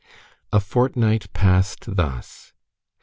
A fortnight passed thus.